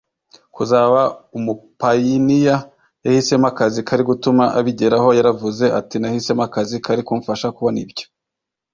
kuzaba umupayiniya yahisemo akazi kari gutuma abigeraho yaravuze ati nahisemo akazi kari kumfasha kubona ibyo